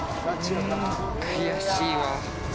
ん悔しいわ。